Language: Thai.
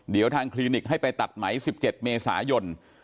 เดี๋ยวทางคลินิกให้ไปตัดไหม๑๗เมษายน